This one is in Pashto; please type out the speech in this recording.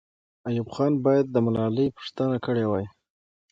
ایوب خان باید د ملالۍ پوښتنه کړې وای.